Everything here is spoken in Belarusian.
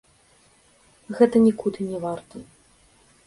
Гэта нікуды не варта.